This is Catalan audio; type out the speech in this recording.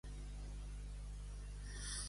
No donaria una pansa a Déu.